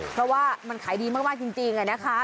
เพราะว่ามันขายดีมากจริงนะคะ